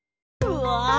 うわ！